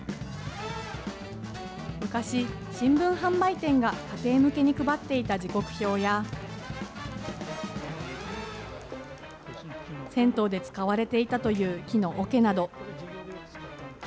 昔、新聞販売店が家庭向けに配っていた時刻表や、銭湯で使われていたという木のおけなど。